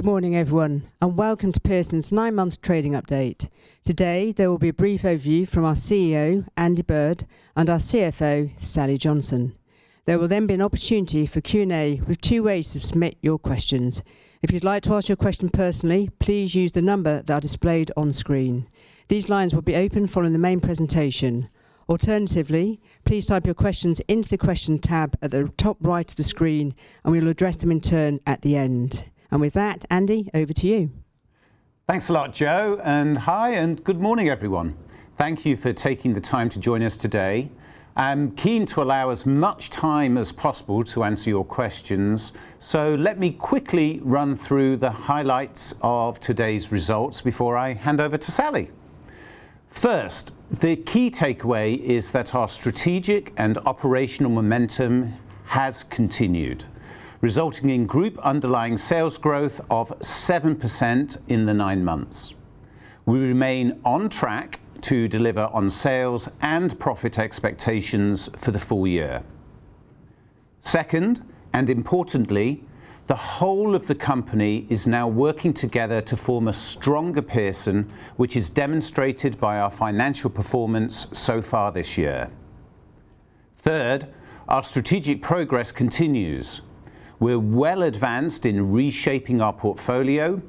Good morning, everyone, and welcome to Pearson's nine-month trading update. Today, there will be a brief overview from our CEO, Andy Bird, and our CFO, Sally Johnson. There will then be an opportunity for Q&A with two ways to submit your questions. If you'd like to ask your question personally, please use the number that are displayed on screen. These lines will be open following the main presentation. Alternatively, please type your questions into the question tab at the top right of the screen, and we will address them in turn at the end. With that, Andy, over to you. Thanks a lot, Jo, and hi, and good morning, everyone. Thank you for taking the time to join us today. I'm keen to allow as much time as possible to answer your questions, so let me quickly run through the highlights of today's results before I hand over to Sally. First, the key takeaway is that our strategic and operational momentum has continued, resulting in group underlying sales growth of 7% in the nine months. We remain on track to deliver on sales and profit expectations for the full year. Second, and importantly, the whole of the company is now working together to form a stronger Pearson, which is demonstrated by our financial performance so far this year. Third, our strategic progress continues. We're well advanced in reshaping our portfolio,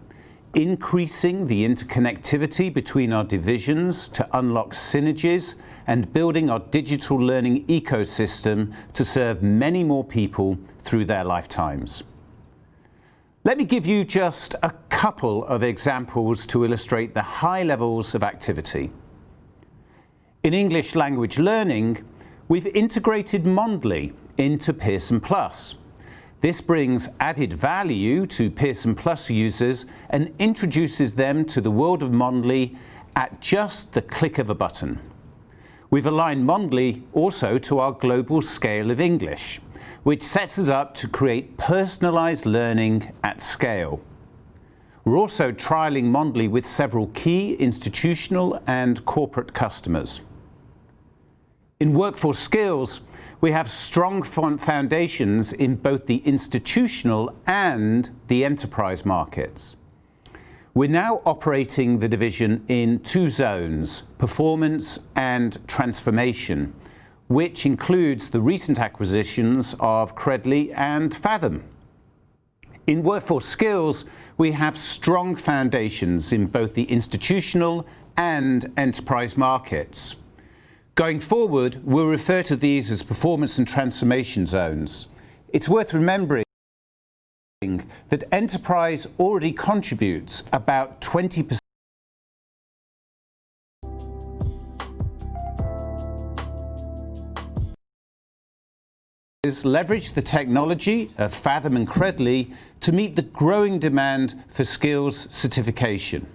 increasing the interconnectivity between our divisions to unlock synergies, and building our digital learning ecosystem to serve many more people through their lifetimes. Let me give you just a couple of examples to illustrate the high levels of activity. In English Language Learning, we've integrated Mondly into Pearson Plus. This brings added value to Pearson Plus users and introduces them to the world of Mondly at just the click of a button. We've aligned Mondly also to our Global Scale of English, which sets us up to create personalized learning at scale. We're also trialing Mondly with several key institutional and corporate customers. In Workforce Skills, we have strong foundations in both the institutional and the enterprise markets. We're now operating the division in two zones, performance and transformation, which includes the recent acquisitions of Credly and Faethm. In Workforce Skills, we have strong foundations in both the institutional and enterprise markets. Going forward, we'll refer to these as performance and transformation zones. It's worth remembering that enterprise already contributes about 20%. Leverage the technology of Faethm and Credly to meet the growing demand for skills certification.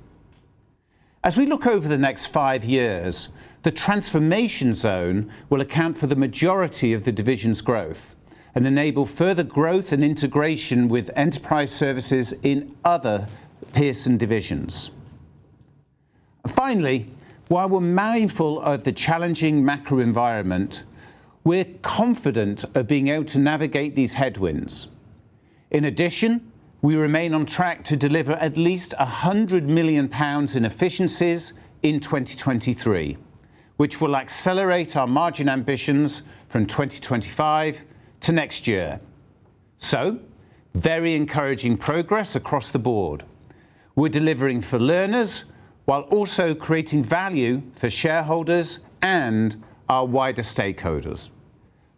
As we look over the next five years, the transformation zone will account for the majority of the division's growth and enable further growth and integration with enterprise services in other Pearson divisions. Finally, while we're mindful of the challenging macro environment, we're confident of being able to navigate these headwinds. In addition, we remain on track to deliver at least 100 million pounds in efficiencies in 2023, which will accelerate our margin ambitions from 2025 to next year. Very encouraging progress across the board. We're delivering for learners while also creating value for shareholders and our wider stakeholders.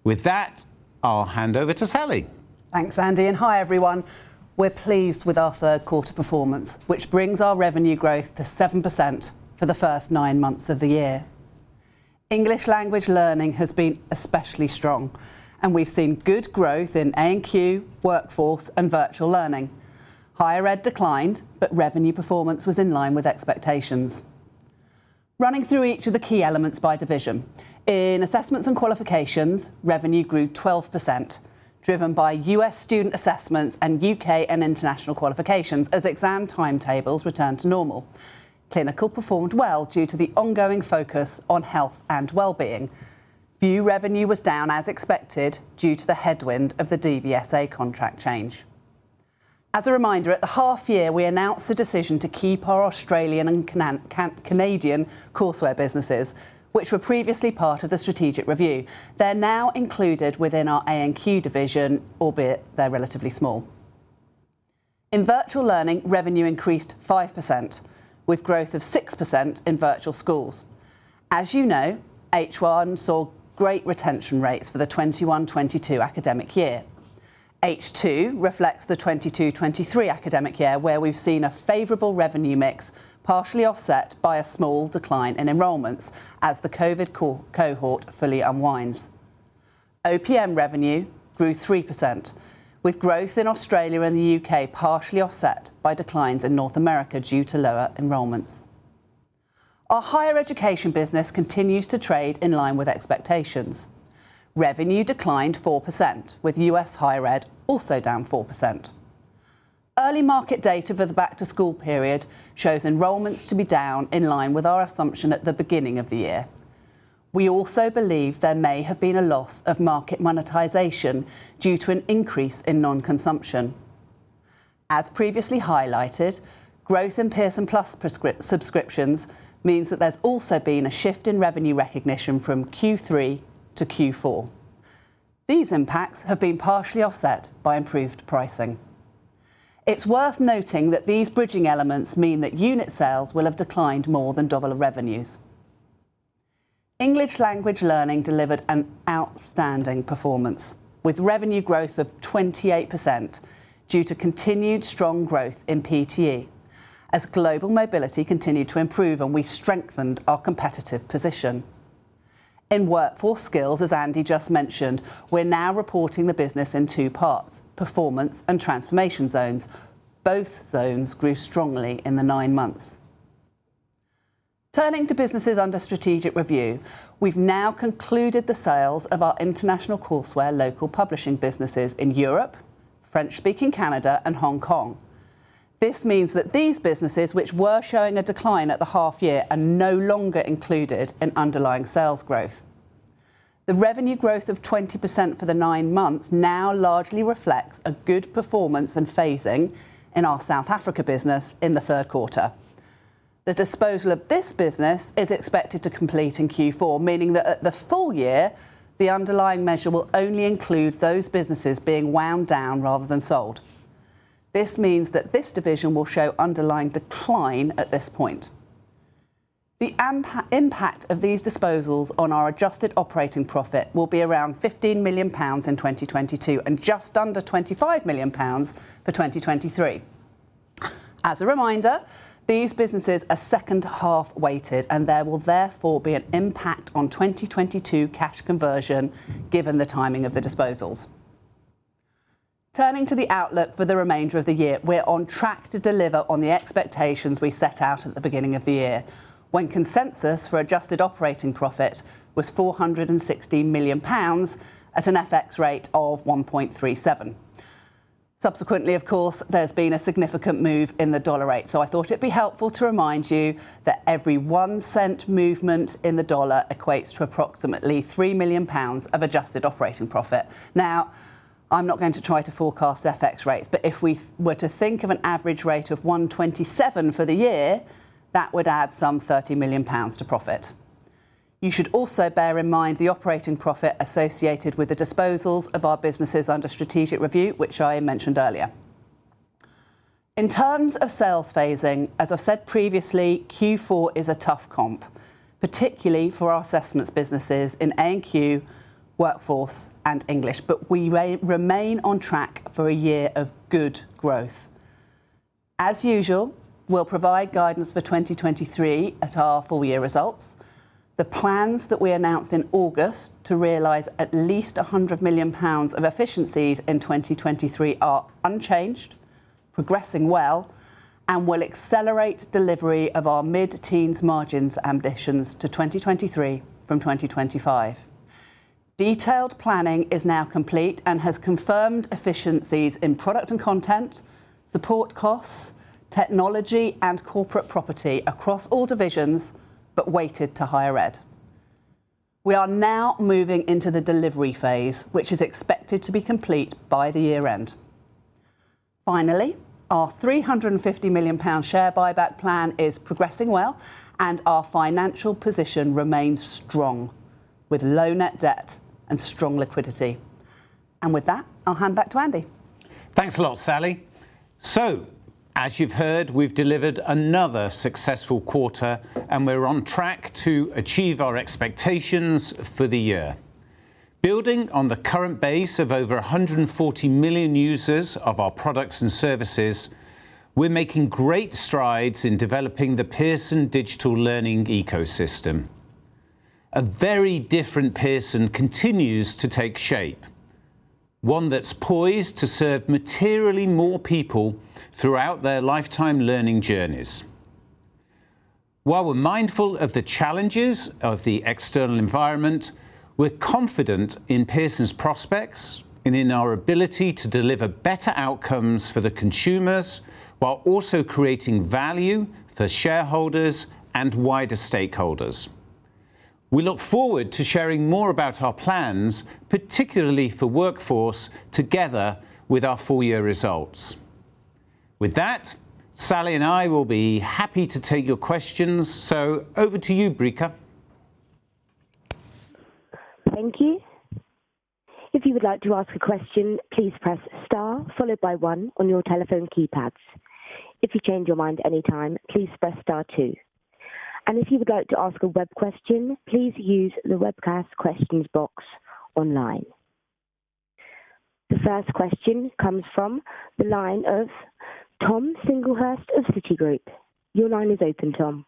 With that, I'll hand over to Sally. Thanks, Andy, and hi, everyone. We're pleased with our third quarter performance, which brings our revenue growth to 7% for the first nine months of the year. English Language Learning has been especially strong, and we've seen good growth in A&Q, Workforce, and Virtual Learning. Higher Ed declined, but revenue performance was in line with expectations. Running through each of the key elements by division. In Assessments and Qualifications, revenue grew 12%, driven by U.S. student assessments and U.K. and international qualifications as exam timetables returned to normal. Clinical performed well due to the ongoing focus on health and wellbeing. VUE revenue was down as expected, due to the headwind of the DVSA contract change. As a reminder, at the half year, we announced the decision to keep our Australian and Canadian courseware businesses, which were previously part of the strategic review. They're now included within our A&Q division, albeit they're relatively small. In Virtual Learning, revenue increased 5%, with growth of 6% in virtual schools. As you know, H1 saw great retention rates for the 2021-2022 academic year. H2 reflects the 2022-2023 academic year, where we've seen a favorable revenue mix, partially offset by a small decline in enrollments as the COVID cohort fully unwinds. OPM revenue grew 3%, with growth in Australia and the U.K. Partially offset by declines in North America due to lower enrollments. Our higher education business continues to trade in line with expectations. Revenue declined 4%, with U.S. higher ed also down 4%. Early market data for the back to school period shows enrollments to be down in line with our assumption at the beginning of the year. We also believe there may have been a loss of market monetization due to an increase in non-consumption. As previously highlighted, growth in Pearson Plus subscriptions means that there's also been a shift in revenue recognition from Q3 to Q4. These impacts have been partially offset by improved pricing. It's worth noting that these bridging elements mean that unit sales will have declined more than double of revenues. English Language Learning delivered an outstanding performance, with revenue growth of 28% due to continued strong growth in PTE as global mobility continued to improve and we strengthened our competitive position. In Workforce Skills, as Andy just mentioned, we're now reporting the business in two parts, performance and transformation zones. Both zones grew strongly in the nine months. Turning to businesses under strategic review, we've now concluded the sales of our international courseware local publishing businesses in Europe, French-speaking Canada and Hong Kong. This means that these businesses, which were showing a decline at the half year, are no longer included in underlying sales growth. The revenue growth of 20% for the nine months now largely reflects a good performance and phasing in our South Africa business in the third quarter. The disposal of this business is expected to complete in Q4, meaning that at the full year, the underlying measure will only include those businesses being wound down rather than sold. This means that this division will show underlying decline at this point. Impact of these disposals on our adjusted operating profit will be around 15 million pounds in 2022 and just under 25 million pounds for 2023. As a reminder, these businesses are second-half weighted, and there will therefore be an impact on 2022 cash conversion given the timing of the disposals. Turning to the outlook for the remainder of the year, we're on track to deliver on the expectations we set out at the beginning of the year, when consensus for adjusted operating profit was 460 million pounds at an FX rate of 1.37. Subsequently, of course, there's been a significant move in the US dollar rate, so I thought it'd be helpful to remind you that every 0.01 movement in the U.S. dollar equates to approximately 3 million pounds of adjusted operating profit. Now, I'm not going to try to forecast FX rates, but if we were to think of an average rate of 1.27 for the year, that would add some 30 million pounds to profit. You should also bear in mind the operating profit associated with the disposals of our businesses under strategic review, which I mentioned earlier. In terms of sales phasing, as I've said previously, Q4 is a tough comp, particularly for our assessments businesses in A&Q, Workforce and English, but we remain on track for a year of good growth. As usual, we'll provide guidance for 2023 at our full year results. The plans that we announced in August to realize at least 100 million pounds of efficiencies in 2023 are unchanged, progressing well, and will accelerate delivery of our mid-teens margins ambitions to 2023 from 2025. Detailed planning is now complete and has confirmed efficiencies in product and content, support costs, technology and corporate property across all divisions but weighted to Higher Ed. We are now moving into the delivery phase, which is expected to be complete by the year-end. Finally, our 350 million pound share buyback plan is progressing well, and our financial position remains strong with low net debt and strong liquidity. With that, I'll hand back to Andy. Thanks a lot, Sally. As you've heard, we've delivered another successful quarter, and we're on track to achieve our expectations for the year. Building on the current base of over 140 million users of our products and services, we're making great strides in developing the Pearson Digital Learning Ecosystem. A very different Pearson continues to take shape, one that's poised to serve materially more people throughout their lifetime learning journeys. While we're mindful of the challenges of the external environment, we're confident in Pearson's prospects and in our ability to deliver better outcomes for the consumers while also creating value for shareholders and wider stakeholders. We look forward to sharing more about our plans, particularly for Workforce, together with our full year results. With that, Sally and I will be happy to take your questions. Over to you, Britt. Thank you. If you would like to ask a question, please press star followed by one on your telephone keypads. If you change your mind at any time, please press star two. If you would like to ask a web question, please use the webcast questions box online. The first question comes from the line of Thomas Singlehurst of Citigroup. Your line is open, Tom.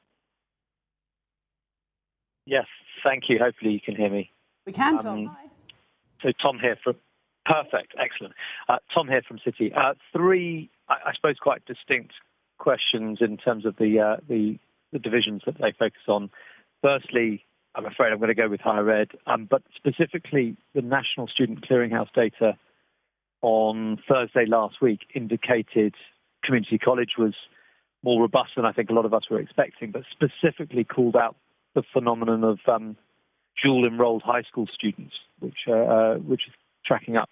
Yes, thank you. Hopefully, you can hear me. We can, Tom. Hi. Tom here from Citi. Three, I suppose, quite distinct questions in terms of the divisions that they focus on. First, I'm afraid I'm gonna go with Higher Ed, but specifically the National Student Clearinghouse data on Thursday last week indicated community college was more robust than I think a lot of us were expecting, but specifically called out the phenomenon of dual-enrolled high school students, which is tracking up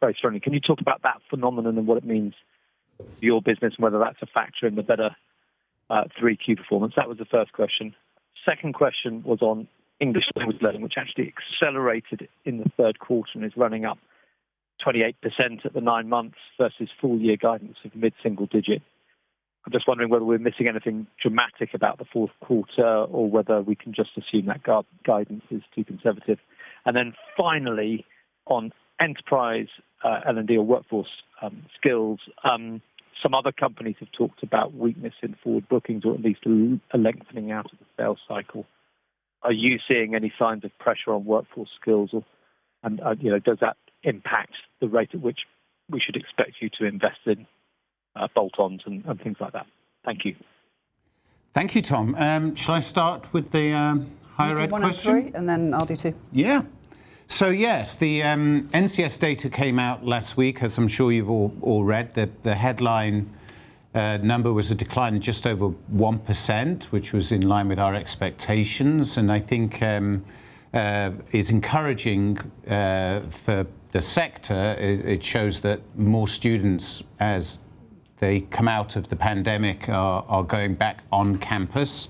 very strongly. Can you talk about that phenomenon and what it means for your business and whether that's a factor in the better 3Q performance? That was the first question. Second question was on English Language Learning, which actually accelerated in the third quarter and is running up 28% at the nine months versus full year guidance of mid-single digit. I'm just wondering whether we're missing anything dramatic about the fourth quarter or whether we can just assume that guidance is too conservative. Then finally, on enterprise, L&D or workforce skills. Some other companies have talked about weakness in forward bookings or at least a lengthening out of the sales cycle. Are you seeing any signs of pressure on workforce skills? You know, does that impact the rate at which we should expect you to invest in bolt-ons and things like that? Thank you. Thank you, Tom. Shall I start with the higher ed question? You do one and three, and then I'll do two. Yeah. Yes, the NSC data came out last week. As I'm sure you've all read, the headline number was a decline of just over 1%, which was in line with our expectations. I think it's encouraging for the sector. It shows that more students, as they come out of the pandemic, are going back on campus.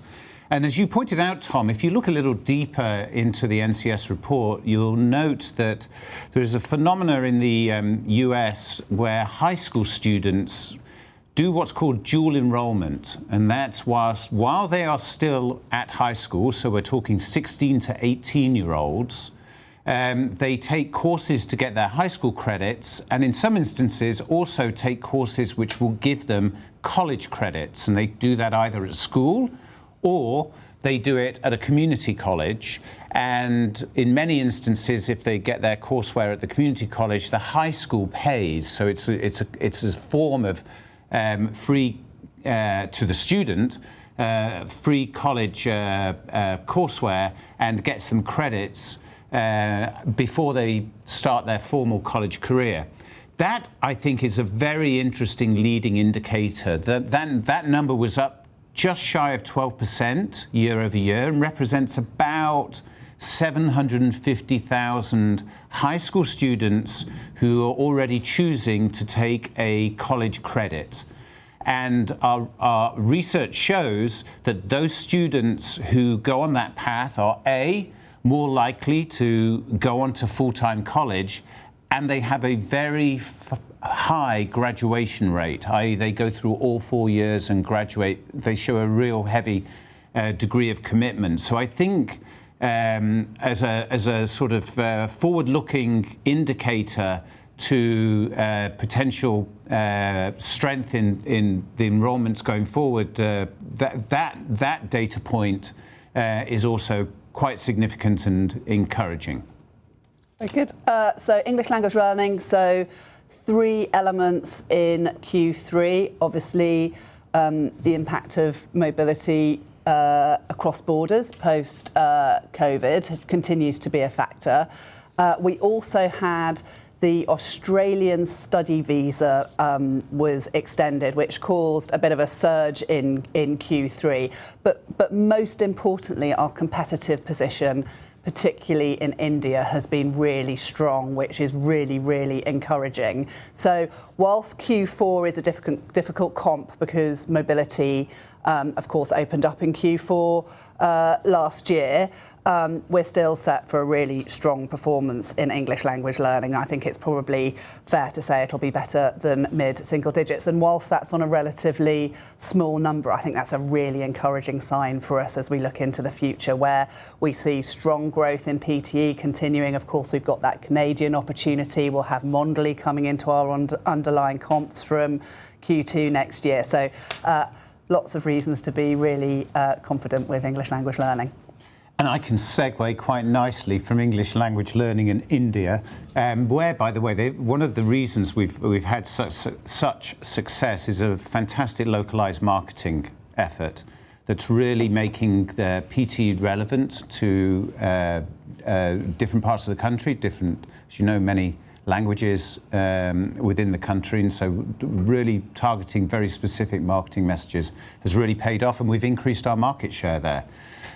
As you pointed out, Tom, if you look a little deeper into the NSC report, you'll note that there is a phenomenon in the U.S. where high school students do what's called dual enrollment, and that's while they are still at high school, so we're talking 16-18-year-olds, they take courses to get their high school credits and in some instances also take courses which will give them college credits. They do that either at school or they do it at a community college. In many instances, if they get their courseware at the community college, the high school pays. It's a form of free to the student, free college courseware and gets them credits before they start their formal college career. That I think is a very interesting leading indicator. That number was up just shy of 12% year-over-year and represents about 750,000 high school students who are already choosing to take a college credit. Our research shows that those students who go on that path are, A, more likely to go on to full-time college, and they have a very high graduation rate. I.e., they go through all four years and graduate. They show a really heavy degree of commitment. I think, as a sort of forward-looking indicator to potential strength in the enrollments going forward, that data point is also quite significant and encouraging. English Language Learning. Three elements in Q3. Obviously, the impact of mobility across borders post COVID continues to be a factor. We also had the Australian study visa was extended, which caused a bit of a surge in Q3. Most importantly, our competitive position, particularly in India, has been really strong, which is really encouraging. While Q4 is a difficult comp because mobility of course opened up in Q4 last year, we're still set for a really strong performance in English Language Learning. I think it's probably fair to say it'll be better than mid-single digits. While that's on a relatively small number, I think that's a really encouraging sign for us as we look into the future where we see strong growth in PTE continuing. Of course, we've got that Canadian opportunity. We'll have Mondly coming into our underlying comps from Q2 next year. Lots of reasons to be really confident with English Language Learning. I can segue quite nicely from English language learning in India, where by the way, one of the reasons we've had such success is a fantastic localized marketing effort that's really making the PTE relevant to different parts of the country, different, as you know, many languages within the country. Really targeting very specific marketing messages has really paid off, and we've increased our market share there.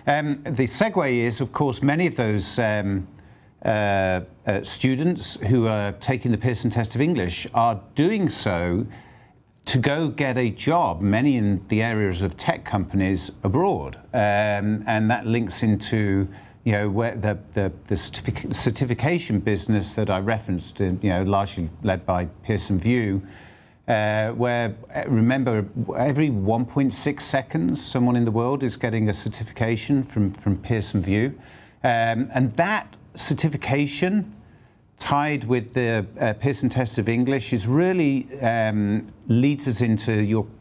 The segue is, of course, many of those students who are taking the Pearson Test of English are doing so to go get a job, many in the areas of tech companies abroad. That links into, you know, where the certification business that I referenced in, you know, largely led by Pearson VUE, where, remember, every 1.6 seconds, someone in the world is getting a certification from Pearson VUE. That certification tied with the Pearson Test of English is really leads us into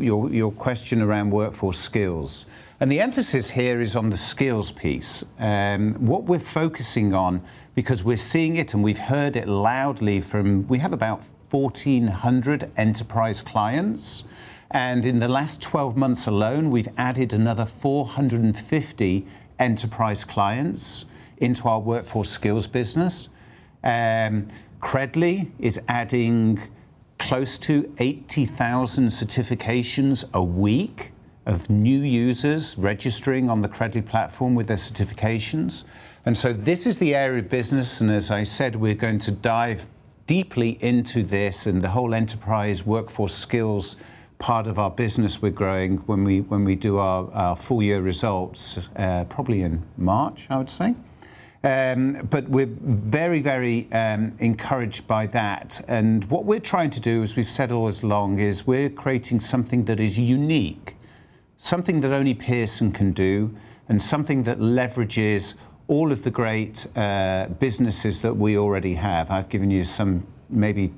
your question around workforce skills. The emphasis here is on the skills piece. What we're focusing on, because we're seeing it and we've heard it loudly from. We have about 1,400 enterprise clients, and in the last 12 months alone, we've added another 450 enterprise clients into our Workforce Skills business. Credly is adding close to 80,000 certifications a week of new users registering on the Credly platform with their certifications. This is the area of business, and as I said, we're going to dive deeply into this and the whole enterprise Workforce Skills part of our business. We're growing. When we do our full year results, probably in March, I would say. But we're very encouraged by that. What we're trying to do, as we've said all along, is we're creating something that is unique, something that only Pearson can do, and something that leverages all of the great businesses that we already have. I've given you some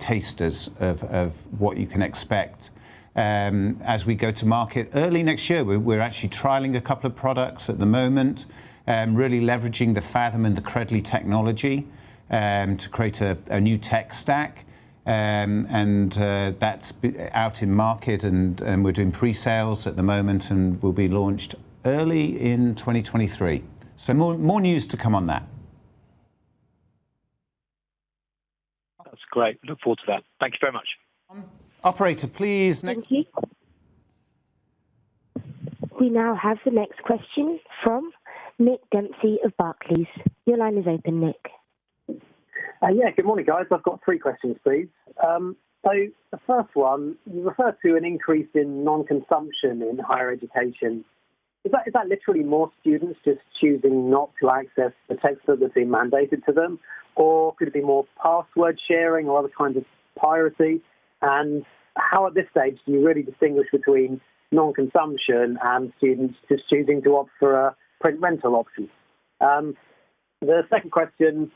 teasers of what you can expect as we go to market early next year. We're actually trialing a couple of products at the moment, really leveraging the Faethm and the Credly technology to create a new tech stack. That's out in market and we're doing pre-sales at the moment, and will be launched early in 2023. More news to come on that. That's great. Look forward to that. Thank you very much. Operator, please next. Thank you. We now have the next question from Nick Dempsey of Barclays. Your line is open, Nick. Yeah, good morning, guys. I've got three questions, please. The first one, you refer to an increase in non-consumption in higher education. Is that literally more students just choosing not to access the textbook that's been mandated to them, or could it be more password sharing or other kinds of piracy? How, at this stage, do you really distinguish between non-consumption and students just choosing to opt for a print rental option? The second question,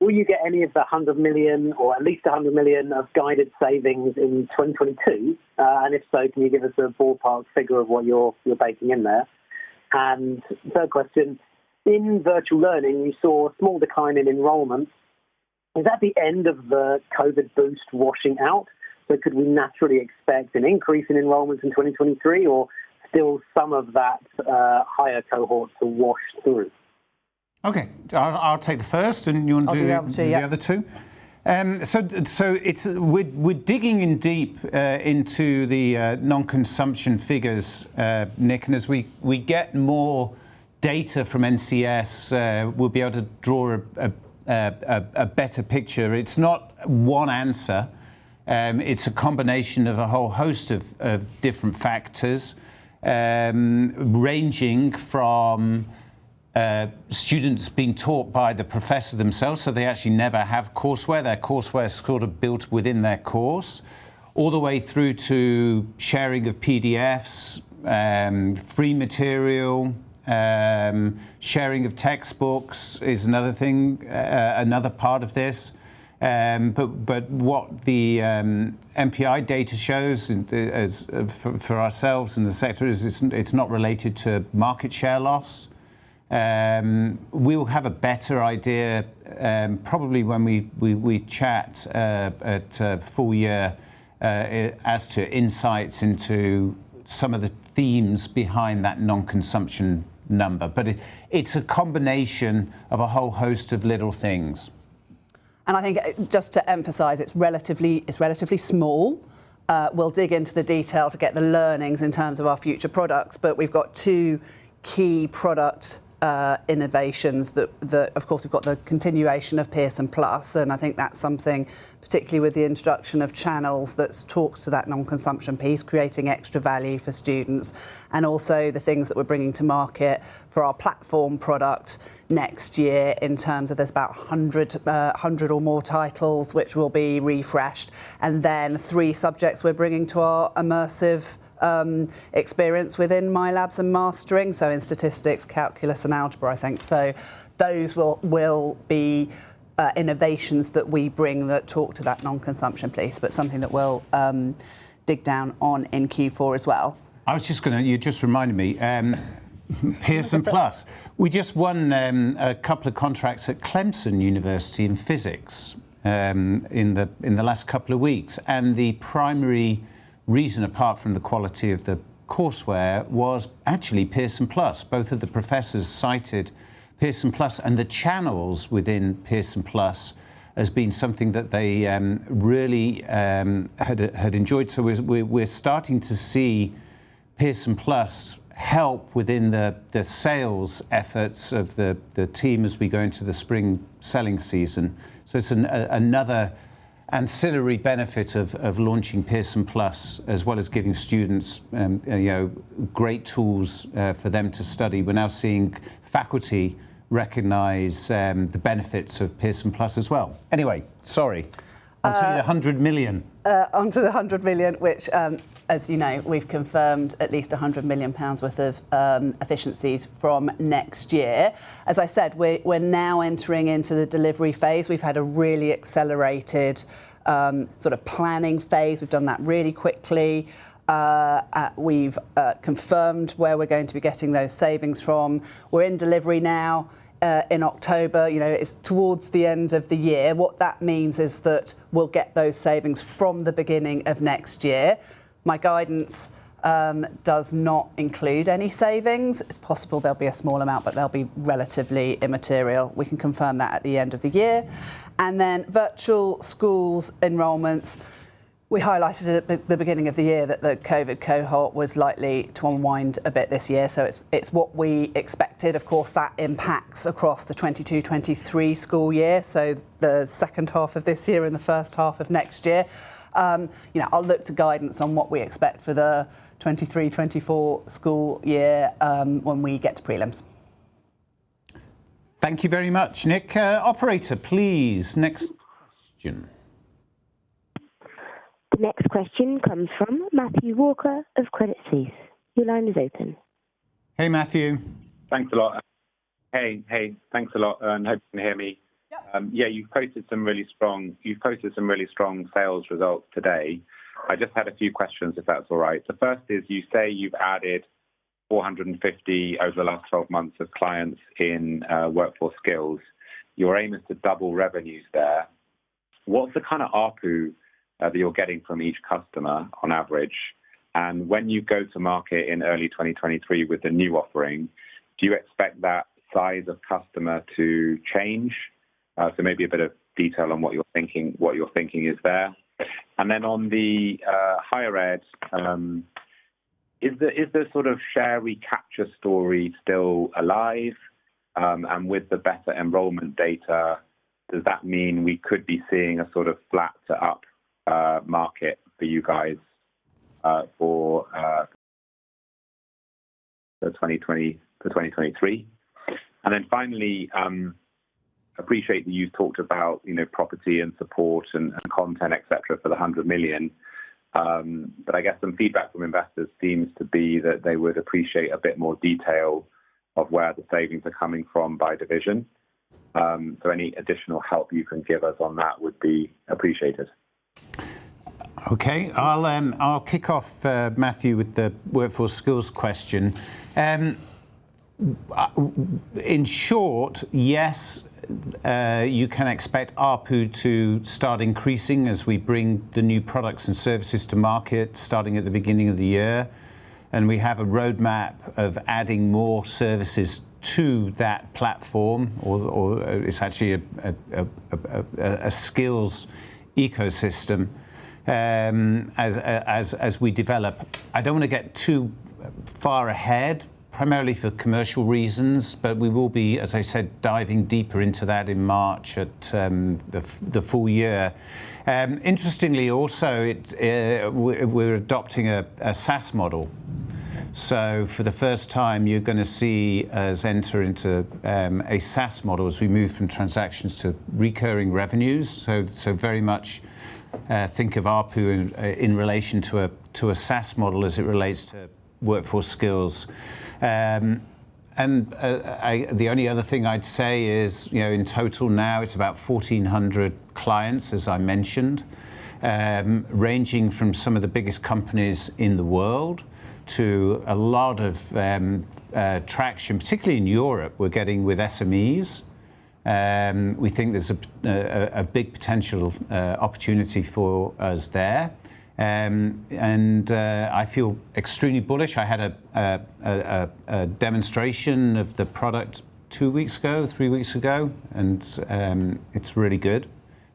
will you get any of the 100 million or at least 100 million of guided savings in 2022? If so, can you give us a ballpark figure of what you're baking in there? Third question, in virtual learning, you saw a small decline in enrollments. Is that the end of the COVID boost washing out? Could we naturally expect an increase in enrollments in 2023 or still some of that higher cohort to wash through? Okay. I'll take the first, and then you wanna do- I'll do the other two, yep. ...the other two? So we're digging in deep into the non-consumption figures, Nick. As we get more data from NSC, we'll be able to draw a better picture. It's not one answer. It's a combination of a whole host of different factors, ranging from students being taught by the professor themselves, so they actually never have courseware. Their courseware is sort of built within their course. All the way through to sharing of PDFs, free material, sharing of textbooks is another thing, another part of this. But what the MPI data shows for ourselves and the sector is it's not related to market share loss. We'll have a better idea, probably when we chat at full year, as to insights into some of the themes behind that non-consumption number. It's a combination of a whole host of little things. I think just to emphasize, it's relatively small. We'll dig into the detail to get the learnings in terms of our future products. We've got two key product innovations. Of course, we've got the continuation of Pearson Plus, and I think that's something, particularly with the introduction of channels, that talks to that non-consumption piece, creating extra value for students. Also the things that we're bringing to market for our platform product next year in terms of there's about 100 or more titles which will be refreshed. Then three subjects we're bringing to our immersive experience within MyLab and Mastering, so in statistics, calculus, and algebra, I think. Those will be innovations that we bring that talk to that non-consumption piece, but something that we'll dig down on in Q4 as well. You just reminded me. Pearson Plus. We just won a couple of contracts at Clemson University in physics in the last couple of weeks. The primary reason apart from the quality of the courseware was actually Pearson Plus. Both of the professors cited Pearson Plus and the channels within Pearson Plus as being something that they really had enjoyed. We're starting to see Pearson Plus help within the sales efforts of the team as we go into the spring selling season. It's another ancillary benefit of launching Pearson Plus, as well as giving students you know great tools for them to study. We're now seeing faculty recognize the benefits of Pearson Plus as well. Anyway, sorry. Uh- On to the 100 million. Onto the 100 million, which, as you know, we've confirmed at least 100 million pounds worth of efficiencies from next year. As I said, we're now entering into the delivery phase. We've had a really accelerated sort of planning phase. We've done that really quickly. We've confirmed where we're going to be getting those savings from. We're in delivery now, in October. You know, it's towards the end of the year. What that means is that we'll get those savings from the beginning of next year. My guidance does not include any savings. It's possible there'll be a small amount, but they'll be relatively immaterial. We can confirm that at the end of the year. Virtual schools enrollments. We highlighted at the beginning of the year that the COVID cohort was likely to unwind a bit this year, so it's what we expected. Of course, that impacts across the 2022-2023 school year, so the second half of this year and the first half of next year. You know, I'll look to guidance on what we expect for the 2023-2024 school year, when we get to prelims. Thank you very much, Nick. Operator, please, next question. The next question comes from Matthew Walker of Credit Suisse. Your line is open. Hey, Matthew. Thanks a lot. Hey, hey. Thanks a lot, and hope you can hear me. Yeah. Yeah, you've posted some really strong sales results today. I just had a few questions if that's all right. The first is you say you've added 450 over the last 12 months of clients in Workforce Skills. Your aim is to double revenues there. What's the kind of ARPU that you're getting from each customer on average? And when you go to market in early 2023 with the new offering, do you expect that size of customer to change? So maybe a bit of detail on what you're thinking, what your thinking is there? On the Higher Ed, is the sort of share recapture story still alive, and with the better enrollment data, does that mean we could be seeing a sort of flat to up market for you guys for 2023? Finally, appreciate that you've talked about, you know, property and support and content, et cetera, for the 100 million. I guess some feedback from investors seems to be that they would appreciate a bit more detail of where the savings are coming from by division? Any additional help you can give us on that would be appreciated. Okay. I'll kick off, Matthew with the Workforce Skills question. In short, yes, you can expect ARPU to start increasing as we bring the new products and services to market starting at the beginning of the year. We have a roadmap of adding more services to that platform or it's actually a skills ecosystem as we develop. I don't wanna get too far ahead, primarily for commercial reasons, but we will be, as I said, diving deeper into that in March at the full year. Interestingly also, we're adopting a SaaS model. For the first time you're gonna see us enter into a SaaS model as we move from transactions to recurring revenues. Very much think of ARPU in relation to a SaaS model as it relates to Workforce Skills. The only other thing I'd say is, you know, in total now it's about 1,400 clients, as I mentioned, ranging from some of the biggest companies in the world to a lot of traction, particularly in Europe, we're getting with SMEs. We think there's a big potential opportunity for us there. I feel extremely bullish. I had a demonstration of the product three weeks ago, and it's really good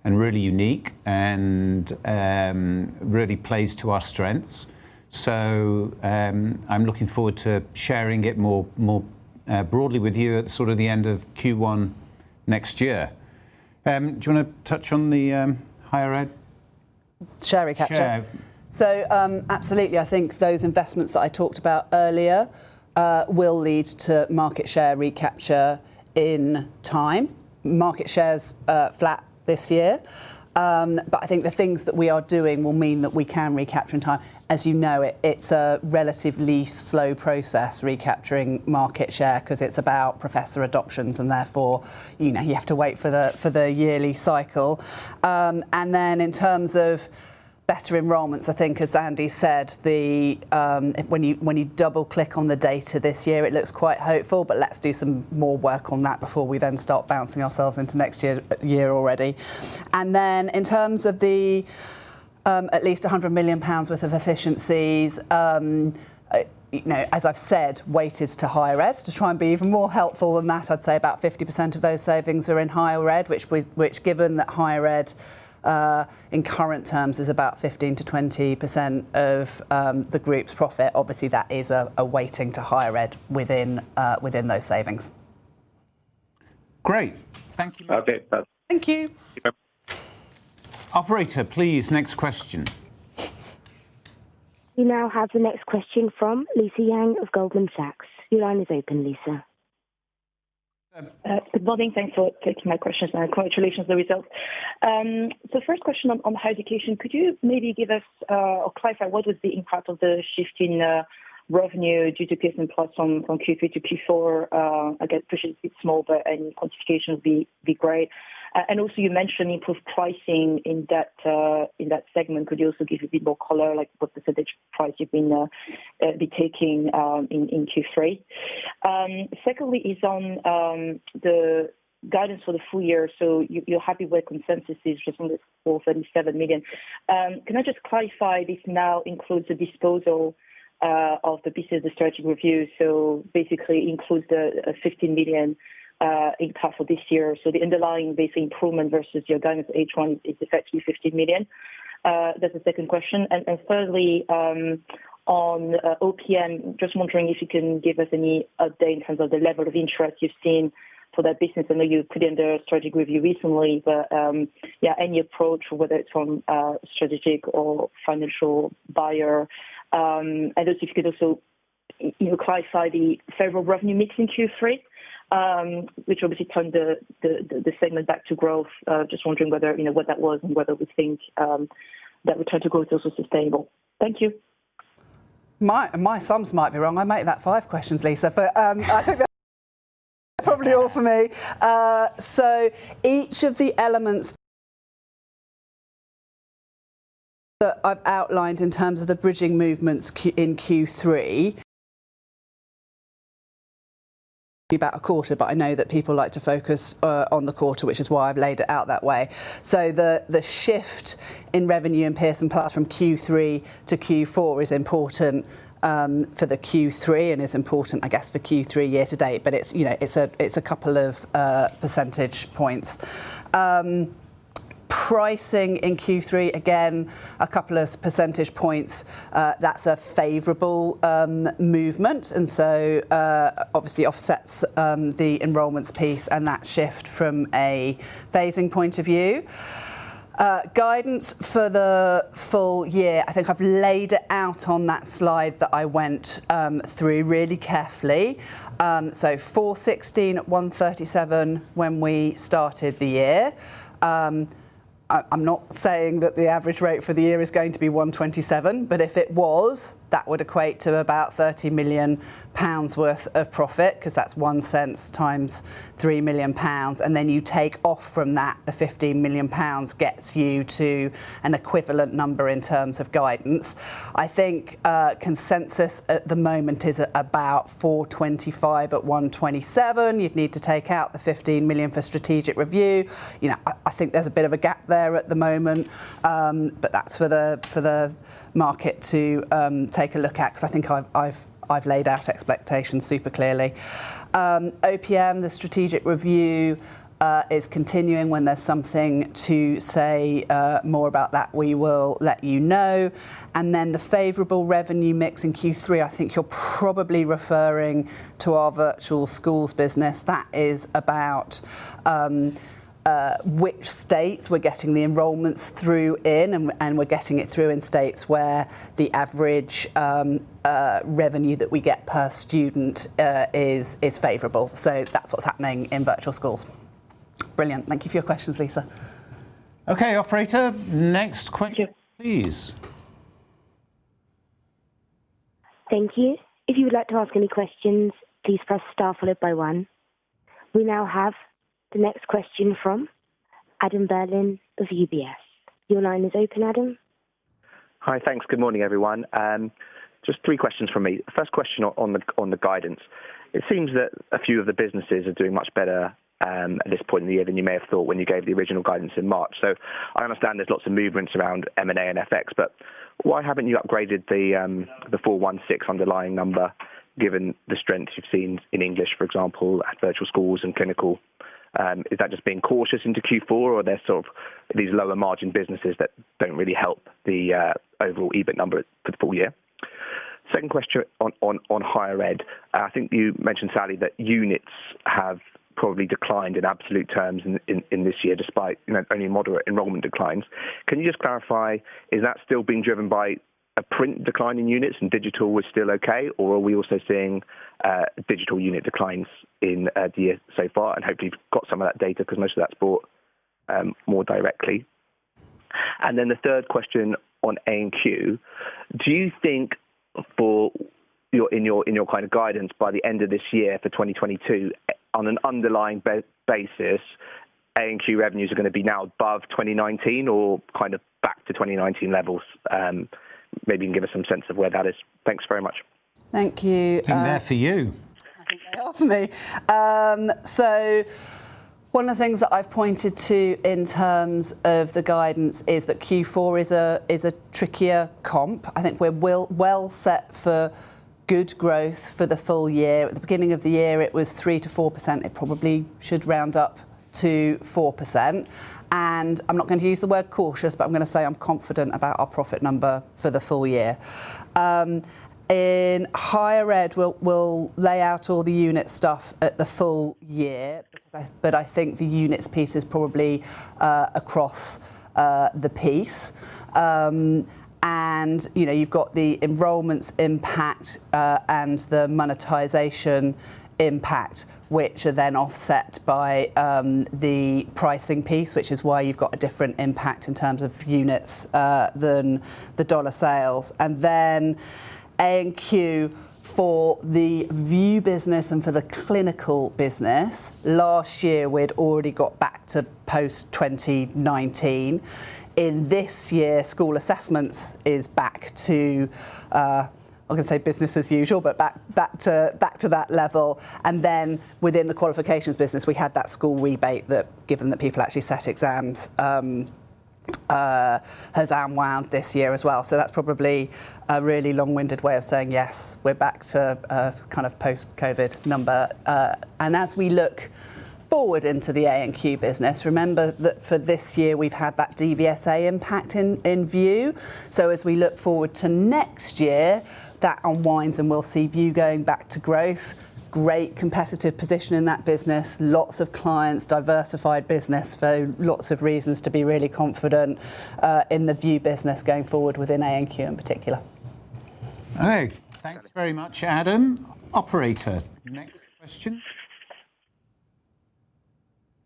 and really unique and really plays to our strengths. I'm looking forward to sharing it more broadly with you at the sort of the end of Q1 next year. Do you wanna touch on the Higher Ed? Share repurchase. Share. Absolutely. I think those investments that I talked about earlier will lead to market share recapture in time. Market share's flat this year. I think the things that we are doing will mean that we can recapture in time. As you know, it's a relatively slow process recapturing market share 'cause it's about professor adoptions and therefore, you know, you have to wait for the yearly cycle. Then in terms of better enrollments, I think as Andy said, when you double-click on the data this year, it looks quite hopeful, but let's do some more work on that before we then start bouncing ourselves into next year already. In terms of the at least 100 million pounds worth of efficiencies, you know, as I've said, weighted to Higher Ed. To try and be even more helpful than that, I'd say about 50% of those savings are in Higher Ed, which, given that Higher Ed in current terms is about 15%-20% of the group's profit. Obviously, that is a weighting to Higher Ed within those savings. Great. Thank you. Okay. Thank you. Operator, please, next question. We now have the next question from Lisa Yang of Goldman Sachs. Your line is open, Lisa. Good morning. Thanks for taking my questions and congratulations on the results. First question on Higher Education, could you maybe give us or clarify what was the impact of the shift in revenue due to Pearson Plus from Q3 to Q4? I guess probably it's small, but any quantification would be great. Also you mentioned improved pricing in that segment. Could you also give a bit more color, like what percentage price you've been taking in Q3? Secondly is on the guidance for the full year. You're happy where consensus is just under 437 million. Can I just clarify this now includes the disposal proceeds of the strategic review, basically includes the 15 million in profit this year? The underlying base improvement versus your guidance at H1 is effectively 15 million. That's the second question. Thirdly, on OPM, just wondering if you can give us any update in terms of the level of interest you've seen for that business. I know you put it under a strategic review recently, but yeah, any approach, whether it's from a strategic or financial buyer. And if you could also, you know, clarify the favorable revenue mix in Q3, which obviously turned the segment back to growth? Just wondering whether, you know, what that was and whether we think that return to growth is also sustainable? Thank you. My sums might be wrong. I make that five questions, Lisa. I think that's probably all from me. Each of the elements that I've outlined in terms of the bridging movements in Q3 be about a quarter, but I know that people like to focus on the quarter, which is why I've laid it out that way. The shift in revenue in Pearson parts from Q3 to Q4 is important for the Q3 and is important, I guess, for Q3 year to date, but it's, you know, it's a couple of percentage points. Pricing in Q3, again, a couple of percentage points, that's a favorable movement. Obviously offsets the enrollments piece and that shift from a phasing point of view. Guidance for the full year, I think I've laid it out on that slide that I went through really carefully. 416 at 1.37 when we started the year. I'm not saying that the average rate for the year is going to be 1.27, but if it was, that would equate to about 30 million pounds worth of profit 'cause that's one cent times 3 million pounds, and then you take off from that the 15 million pounds gets you to an equivalent number in terms of guidance. I think consensus at the moment is about 425 at 1.27. You'd need to take out the 15 million for strategic review. You know, I think there's a bit of a gap there at the moment. That's for the market to take a look at 'cause I think I've laid out expectations super clearly. OPM, the strategic review, is continuing. When there's something to say more about that, we will let you know. Then the favorable revenue mix in Q3, I think you're probably referring to our Virtual Schools business. That is about which states we're getting the enrollments through in and we're getting it through in states where the average revenue that we get per student is favorable. That's what's happening in Virtual Schools. Brilliant. Thank you for your questions, Lisa. Okay, operator. Next question, please. Thank you. If you would like to ask any questions, please press star followed by one. We now have the next question from Adam Berlin of UBS. Your line is open, Adam. Hi. Thanks. Good morning, everyone. Just three questions from me. First question on the guidance. It seems that a few of the businesses are doing much better at this point in the year than you may have thought when you gave the original guidance in March. I understand there's lots of movements around M&A and FX, but why haven't you upgraded the 416 underlying number given the strength you've seen in English, for example, at Virtual Schools and Clinical? Is that just being cautious into Q4 or are there sort of these lower margin businesses that don't really help the overall EBIT number for the full year? Second question on higher ed. I think you mentioned, Sally, that units have probably declined in absolute terms in this year, despite you know only moderate enrollment declines. Can you just clarify, is that still being driven by a print decline in units and digital was still okay, or are we also seeing digital unit declines in the year so far? Hopefully you've got some of that data 'cause most of that's bought more directly. The third question on A&Q. Do you think in your kind of guidance by the end of this year for 2022, on an underlying basis, A&Q revenues are gonna be now above 2019 or kind of back to 2019 levels? Maybe you can give us some sense of where that is. Thanks very much. Thank you. In there for you. I think they are for me. So one of the things that I've pointed to in terms of the guidance is that Q4 is a trickier comp. I think we're well set for good growth for the full year. At the beginning of the year, it was 3%-4%. It probably should round up to 4%. I'm not gonna use the word cautious, but I'm gonna say I'm confident about our profit number for the full year. In higher ed, we'll lay out all the unit stuff at the full year. I think the units piece is probably across the piece. You know, you've got the enrollments impact and the monetization impact, which are then offset by the pricing piece, which is why you've got a different impact in terms of units than the dollar sales. A&Q for the VUE business and for the clinical business, last year, we'd already got back to post-2019. In this year, school assessments is back to, I'm gonna say, business as usual, but back to that level. Within the qualifications business, we had that school rebate that, given that people actually sat exams, has unwound this year as well. That's probably a really long-winded way of saying, yes, we're back to a kind of post-COVID number. As we look forward into the A&Q business, remember that for this year we've had that DVSA impact in VUE. As we look forward to next year, that unwinds and we'll see VUE going back to growth. Great competitive position in that business. Lots of clients, diversified business, so lots of reasons to be really confident in the VUE business going forward within A&Q in particular. Okay. Thanks very much, Adam. Operator, next question.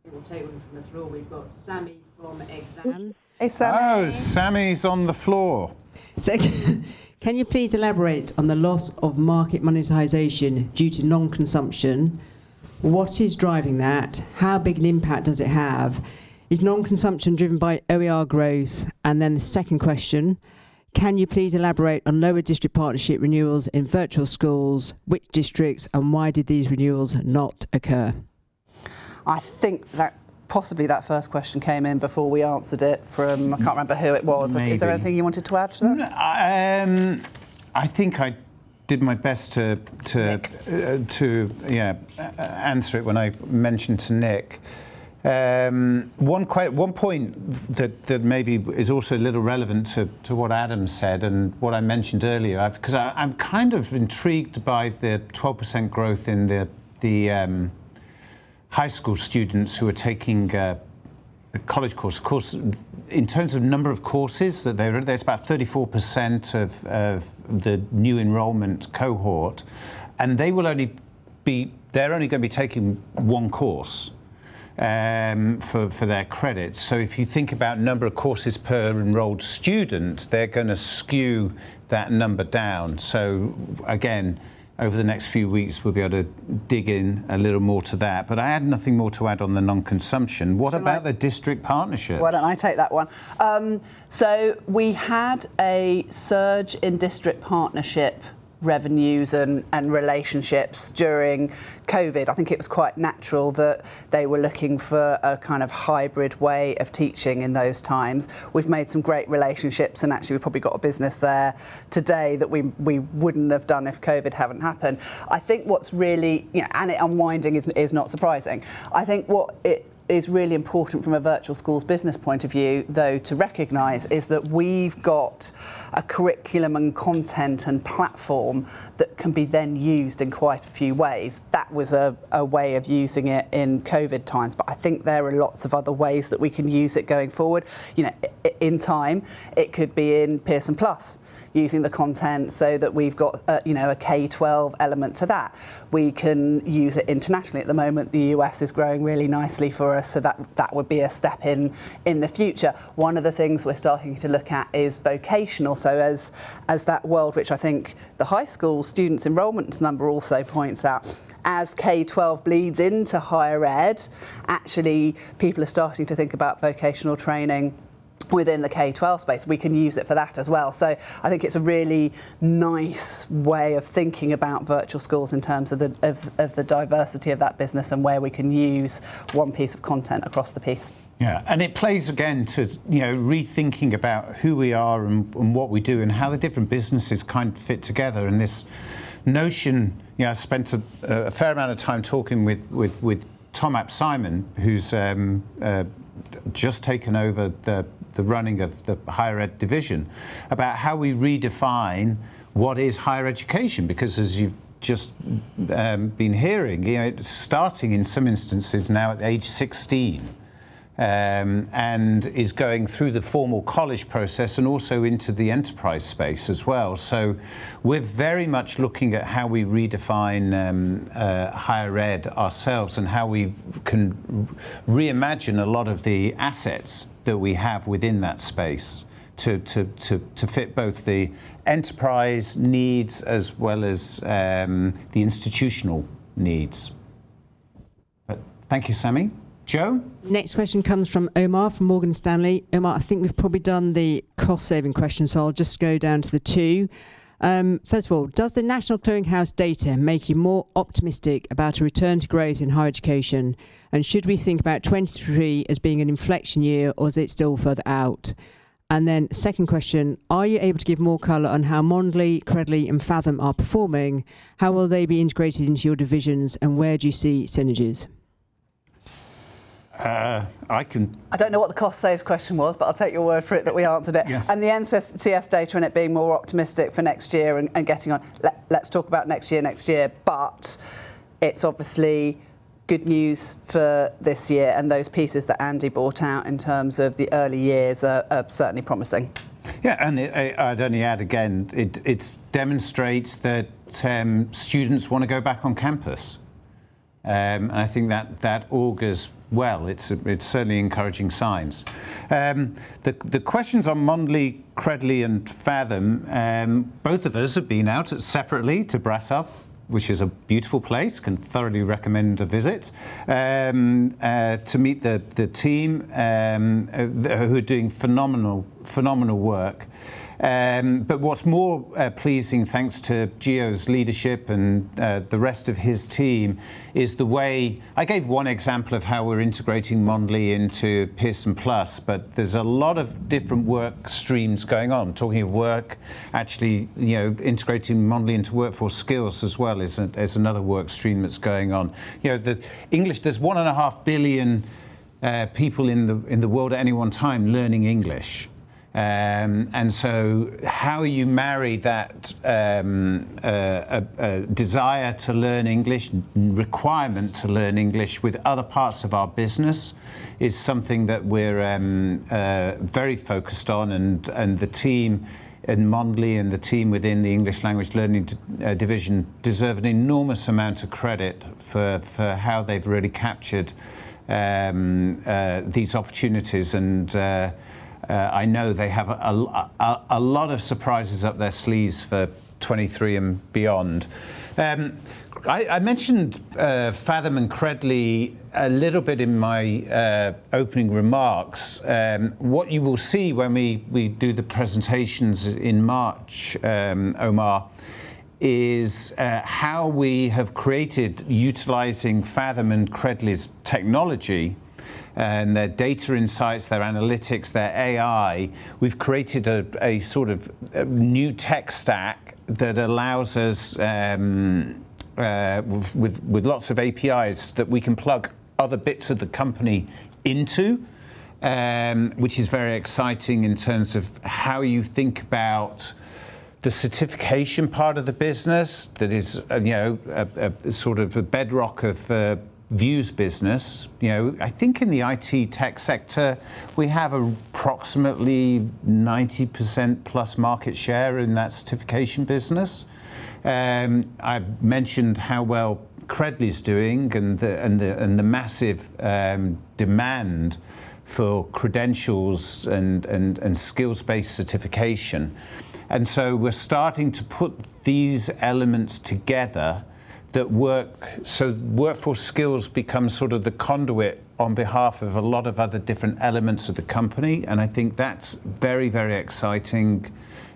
We'll take one from the floor. We've got Sami from Exane. Hey, Sami. Oh, Sami's on the floor. It's okay. Can you please elaborate on the loss of market monetization due to non-consumption? What is driving that? How big an impact does it have? Is non-consumption driven by OER growth? The second question. Can you please elaborate on lower district partnership renewals in Virtual Schools? Which districts, and why did these renewals not occur? I think that possibly that first question came in before we answered it. I can't remember who it was. Maybe. Is there anything you wanted to add to that? No. I think I did my best to Nick To answer it when I mentioned to Nick. One point that maybe is also a little relevant to what Adam said and what I mentioned earlier. Because I'm kind of intrigued by the 12% growth in the high school students who are taking a college course. Of course, in terms of number of courses that they're taking. There's about 34% of the new enrollment cohort, and they're only gonna be taking one course for their credits. If you think about number of courses per enrolled student, they're gonna skew that number down. Again, over the next few weeks we'll be able to dig in a little more to that. I had nothing more to add on the non-consumption. Sure. What about the district partnerships? Why don't I take that one? So we had a surge in district partnership revenues and relationships during COVID. I think it was quite natural that they were looking for a kind of hybrid way of teaching in those times. We've made some great relationships, and actually we've probably got a business there today that we wouldn't have done if COVID hadn't happened. I think what's really you know and it unwinding is not surprising. I think what is really important from a Virtual Schools business point of view, though, to recognize, is that we've got a curriculum and content and platform that can be then used in quite a few ways. That was a way of using it in COVID times. I think there are lots of other ways that we can use it going forward. You know, in time it could be in Pearson Plus, using the content so that we've got a, you know, a K-12 element to that. We can use it internationally. At the moment, the U.S. is growing really nicely for us, so that would be a step in the future. One of the things we're starting to look at is vocational. As that world, which I think the high school students enrollment number also points out, as K-12 bleeds into higher ed, actually people are starting to think about vocational training within the K-12 space. We can use it for that as well. I think it's a really nice way of thinking about Virtual Schools in terms of the diversity of that business and where we can use one piece of content across the piece. Yeah. It plays again to, you know, rethinking about who we are and what we do and how the different businesses kind of fit together. This notion, you know, I spent a fair amount of time talking with Tom ap Simon, who's just taken over the running of the Higher Education division, about how we redefine what is higher education. Because as you've just been hearing, you know, starting in some instances now at age 16 and is going through the formal college process and also into the enterprise space as well. We're very much looking at how we redefine higher ed ourselves and how we can reimagine a lot of the assets that we have within that space to fit both the enterprise needs as well as the institutional needs. Thank you, Sami. Jo? Next question comes from Omar from Morgan Stanley. Omar, I think we've probably done the cost-saving question, so I'll just go down to the two. First of all, does the National Student Clearinghouse data make you more optimistic about a return to growth in higher education, and should we think about 2023 as being an inflection year, or is it still further out? Second question, are you able to give more color on how Mondly, Credly, and Faethm are performing? How will they be integrated into your divisions, and where do you see synergies? Uh, I can- I don't know what the cost savings question was, but I'll take your word for it that we answered it. Yes. The NSC data and it being more optimistic for next year and getting on, let's talk about next year. But it's obviously good news for this year, and those pieces that Andy brought out in terms of the early years are certainly promising. Yeah. I'd only add again, it demonstrates that students wanna go back on campus. I think that augurs well. It's certainly encouraging signs. The questions on Mondly, Credly, and Faethm, both of us have been out separately to Brașov, which is a beautiful place. I can thoroughly recommend a visit to meet the team who are doing phenomenal work. What's more pleasing, thanks to Gio's leadership and the rest of his team, is the way I gave one example of how we're integrating Mondly into Pearson Plus, but there's a lot of different work streams going on. Talking of work, actually, you know, integrating Mondly into Workforce Skills as well is another work stream that's going on. You know, the English, there's 1.5 billion people in the world at any one time learning English. How you marry that, a desire to learn English, requirement to learn English with other parts of our business is something that we're very focused on. The team in Mondly and the team within the English Language Learning division deserve an enormous amount of credit for how they've really captured these opportunities. I know they have a lot of surprises up their sleeves for 2023 and beyond. I mentioned Faethm and Credly a little bit in my opening remarks. What you will see when we do the presentations in March, Omar, is how we have created utilizing Faethm and Credly's technology and their data insights, their analytics, their AI. We've created a sort of new tech stack that allows us with lots of APIs that we can plug other bits of the company into. Which is very exciting in terms of how you think about the certification part of the business that is, you know, a sort of bedrock of VUE's business. You know, I think in the IT tech sector, we have approximately 90%+ market share in that certification business. I've mentioned how well Credly is doing and the massive demand for credentials and skills-based certification. We're starting to put these elements together that work. Workforce Skills becomes sort of the conduit on behalf of a lot of other different elements of the company, and I think that's very, very exciting,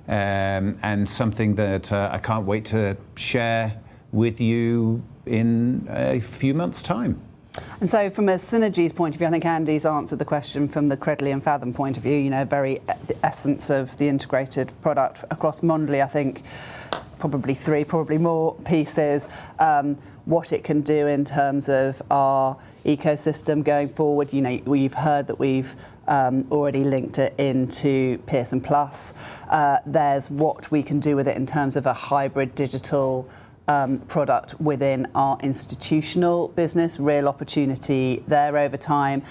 and something that I can't wait to share with you in a few months' time. From a synergies point of view, I think Andy's answered the question from the Credly and Faethm point of view, you know, the essence of the integrated product across Mondly, I think probably three, probably more pieces. What it can do in terms of our ecosystem going forward. You know, we've heard that we already linked it into Pearson Plus. There's what we can do with it in terms of a hybrid digital product within our institutional business. Real opportunity there over time.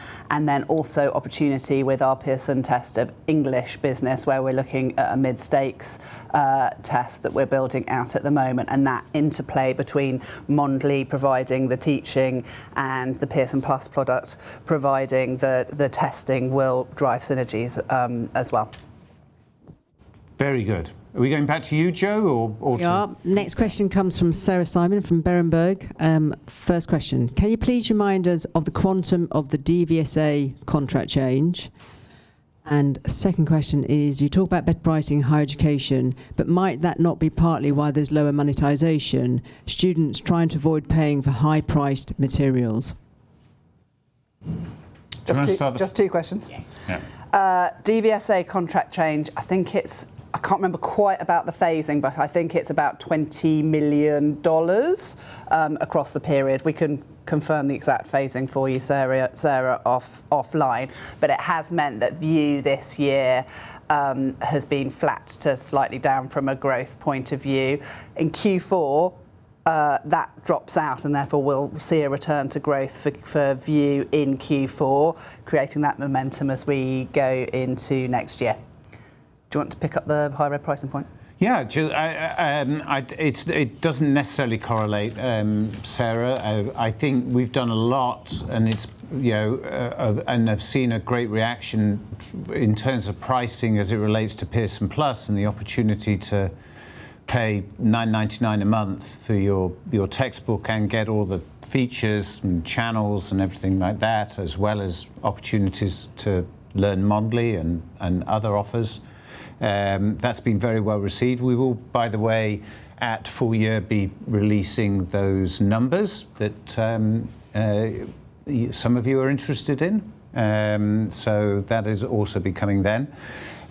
Then also opportunity with our Pearson Test of English business, where we're looking at a mid-stakes test that we're building out at the moment, and that interplay between Mondly providing the teaching and the Pearson Plus product, providing the testing will drive synergies, as well. Very good. Are we going back to you, Jo, or to- Next question comes from Sarah Simon from Berenberg. First question. Can you please remind us of the quantum of the DVSA contract change? Second question is, you talk about better pricing higher education, but might that not be partly why there's lower monetization, students trying to avoid paying for high-priced materials? Do you wanna start? Just two questions. Yes. Yeah. DVSA contract change, I think I can't remember quite about the phasing, but I think it's about $20 million across the period. We can confirm the exact phasing for you, Sarah offline. It has meant that VUE this year has been flat to slightly down from a growth point of view. In Q4, that drops out, and therefore we'll see a return to growth for VUE in Q4, creating that momentum as we go into next year. Do you want to pick up the higher ed pricing point? Yeah. It doesn't necessarily correlate, Sarah. I think we've done a lot and it's, you know, and I've seen a great reaction in terms of pricing as it relates to Pearson Plus and the opportunity to pay $9.99 a month for your textbook and get all the features and channels and everything like that, as well as opportunities to learn Mondly and other offers. That's been very well received. We will, by the way, at full year, be releasing those numbers that some of you are interested in. So that will also be coming then.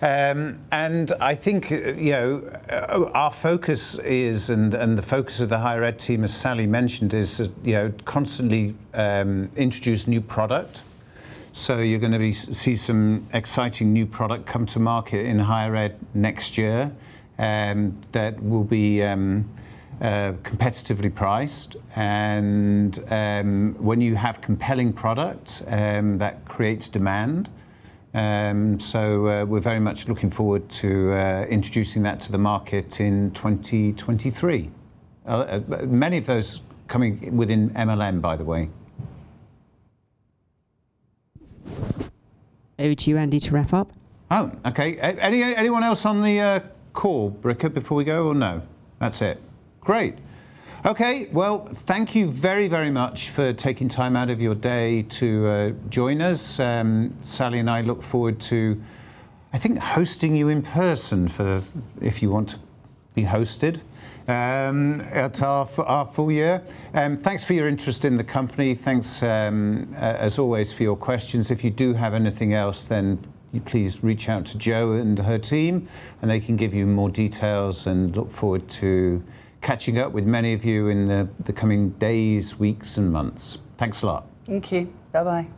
I think, you know, our focus is, and the focus of the higher ed team, as Sally mentioned, is, you know, constantly introduce new product. You're gonna see some exciting new product come to market in higher ed next year, that will be competitively priced. When you have compelling product, that creates demand. We're very much looking forward to introducing that to the market in 2023. Many of those coming within MyLab & Mastering, by the way. Over to you, Andy, to wrap up. Oh, okay. Anyone else on the call, Britt, before we go or no? That's it. Great. Okay. Well, thank you very, very much for taking time out of your day to join us. Sally and I look forward to, I think, hosting you in person for if you want to be hosted, at our full year. Thanks for your interest in the company. Thanks, as always for your questions. If you do have anything else, please reach out to Jo and her team, and they can give you more details. Look forward to catching up with many of you in the coming days, weeks, and months. Thanks a lot. Thank you. Bye-bye.